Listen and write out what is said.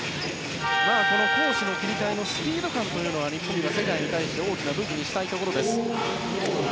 攻守の切り替えのスピード感は日本が世界に対して大きな武器にしたいところです。